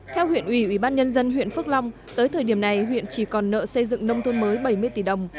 theo huyện ủy ủy ban nhân dân huyện phước long tới thời điểm này huyện chỉ còn nợ xây dựng nông thôn mới bảy mươi tỷ đồng